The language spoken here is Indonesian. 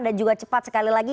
dan juga cepat sekali lagi